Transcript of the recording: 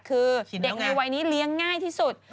คือเด็กในวัยนี้เลี้ยงง่ายที่สุด